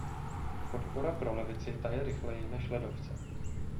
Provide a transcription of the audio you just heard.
Podpora pro levici taje rychleji než ledovce.